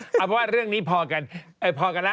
เออเพราะว่าเรื่องนี้พอแล้วก็เรียนล่ะ